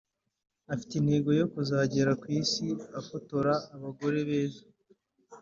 afite intego yo kuzagera ku isi afotora abagore beza